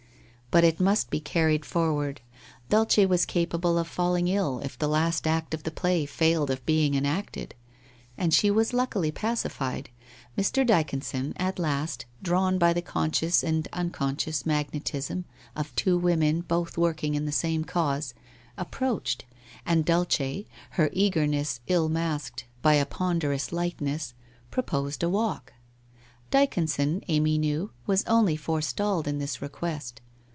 But it must be carried forward. Dulcc was capable of falling ill if the last act of the play failed of being enacted. And she was luckily pacified. Mr. Dycon son, at last, drawn by the conscious and unconscious mag netism of two women both working in the same cause, approached, and Dulcc, her eagerness i?i masked by a pon derous lightness, proposed a walk. Dyconson, Amy knew, was only forestalled in this request.